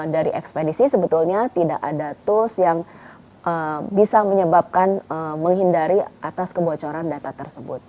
dari ekspedisi sebetulnya tidak ada tools yang bisa menyebabkan menghindari atas kebocoran data tersebut